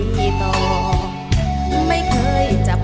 พี่ตอไม่เคยจะพอ